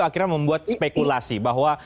akhirnya membuat spekulasi bahwa